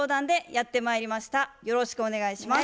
よろしくお願いします。